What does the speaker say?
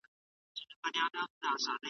کار د فرد او ټولنې ګډه بریا ګڼل کېږي.